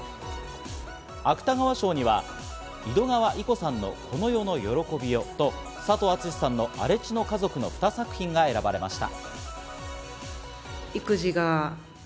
芥川賞には井戸川射子さんの『この世の喜びよ』と佐藤厚志さんの『荒地の家族』の２作品が選ばれました。